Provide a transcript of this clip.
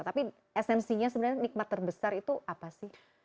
tapi esensinya sebenarnya nikmat terbesar itu apa sih